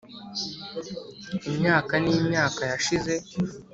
imyaka n'imyaka yashize, -